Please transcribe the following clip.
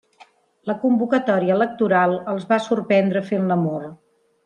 La convocatòria electoral els va sorprendre fent l'amor.